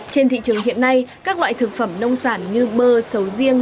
trên thị trường hiện nay các loại thực phẩm nông sản như bơ sầu riêng